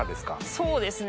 そうですね